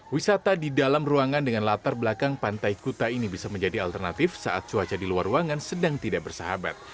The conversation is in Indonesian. wisata di dalam ruangan dengan latar belakang pantai kuta ini bisa menjadi alternatif saat cuaca di luar ruangan sedang tidak bersahabat